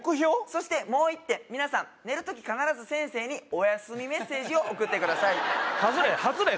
そしてもう一点皆さん寝る時必ず先生におやすみメッセージを送ってくださいハズレ？ハズレ？